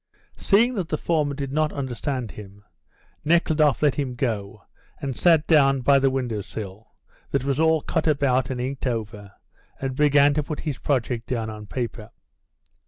Seeing that the foreman did not understand him, Nekhludoff let him go and sat down by the window sill, that was all cut about and inked over, and began to put his project down on paper.